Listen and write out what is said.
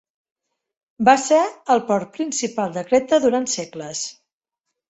Va ser el port principal de Creta durant segles.